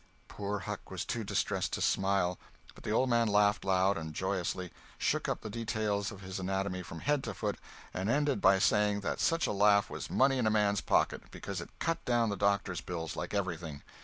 Poor Huck was too distressed to smile, but the old man laughed loud and joyously, shook up the details of his anatomy from head to foot, and ended by saying that such a laugh was money in a man's pocket, because it cut down the doctor's bill like everything.